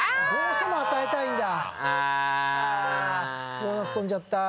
ボーナス飛んじゃった。